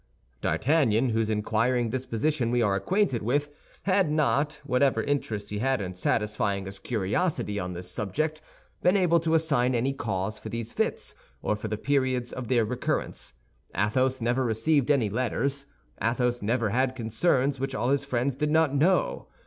D'Artagnan, whose inquiring disposition we are acquainted with, had not—whatever interest he had in satisfying his curiosity on this subject—been able to assign any cause for these fits, or for the periods of their recurrence. Athos never received any letters; Athos never had concerns which all his friends did not know.